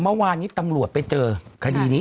เมื่อวานนี้ตำรวจไปเจอคดีนี้